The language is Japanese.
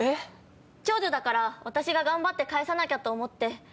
長女だから私が頑張って返さなきゃと思って。